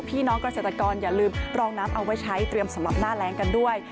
พี่น้องเกษตรกรอย่าลืมรองน้ำเอาไว้ใช้เตรียมสำหรับหน้าแรงกันด้วย